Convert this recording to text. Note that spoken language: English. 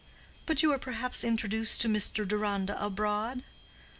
—but you were perhaps introduced to Mr. Deronda abroad?"